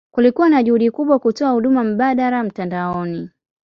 Kulikuwa na juhudi kubwa kutoa huduma mbadala mtandaoni.